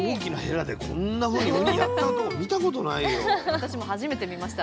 私も初めて見ました